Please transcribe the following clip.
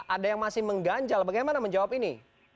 ada yang masih mengganjal bagaimana menjawab ini